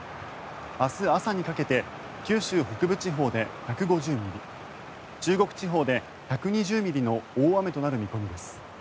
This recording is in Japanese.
明日朝にかけて九州北部地方で１５０ミリ中国地方で１２０ミリの大雨となる見込みです。